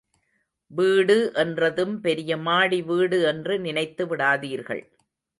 வீடு என்றதும், பெரிய மாடி வீடு என்று நினைத்து விடாதீர்கள்.